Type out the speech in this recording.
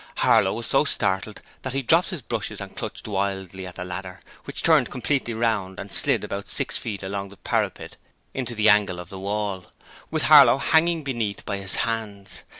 Harlow was so startled that he dropped his brushes and clutched wildly at the ladder, which turned completely round and slid about six feet along the parapet into the angle of the wall, with Harlow hanging beneath by his hands.